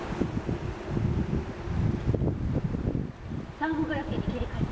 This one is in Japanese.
サーモグラフィーに切り替えて。